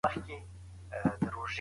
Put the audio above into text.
د اطمينان او باور مجلس ورسره پيل کړئ.